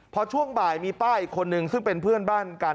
พอช่วงบ่ายมีป้าอีกคนนึงซึ่งเป็นเพื่อนบ้านกัน